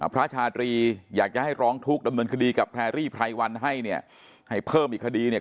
พระชาตรีอยากจะให้ร้องทุกข์ดำเนินคดีกับแพรรี่ไพรวันให้เนี่ยให้เพิ่มอีกคดีเนี่ย